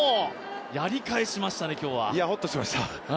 やり返しましたね、今日は。